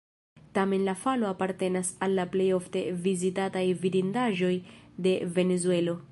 Tamen la falo apartenas al la plej ofte vizitataj vidindaĵoj de Venezuelo.